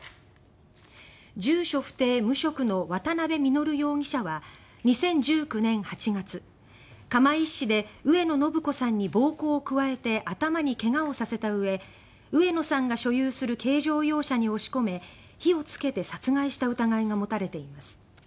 住所不定・無職の渡部稔容疑者は２０１９年８月、釜石市で上野誠子さんに暴行を加えて頭に怪我をさせたうえ上野さんが所有する軽乗用車に押し込め火をつけて殺害した疑いが持たれています。